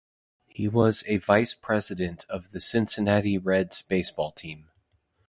He was a vice president of the Cincinnati Reds baseball team.